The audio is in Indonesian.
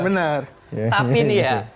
bener tapi nih ya